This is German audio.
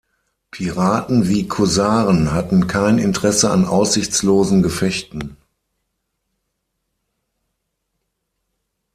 Piraten wie Korsaren hatten kein Interesse an aussichtslosen Gefechten.